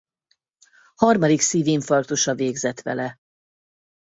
Harmadik szívinfarktusa végzett vele.